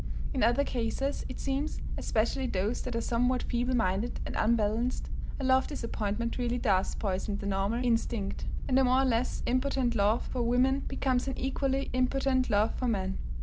In other cases, it seems, especially those that are somewhat feeble minded and unbalanced, a love disappointment really does poison the normal instinct, and a more or less impotent love for women becomes an equally impotent love for men.